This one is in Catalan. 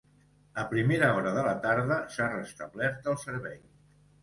A primera hora de la tarda, s’ha restablert el servei.